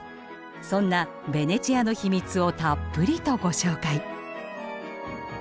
そんなベネチアの秘密をたっぷりとご紹介。